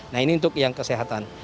nah ini untuk yang kesehatan